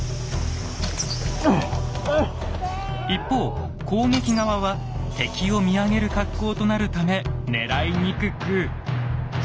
一方攻撃側は敵を見上げる格好となるため狙いにくく。